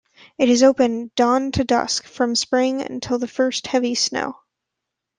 It is open dawn to dusk from spring until the first heavy snow.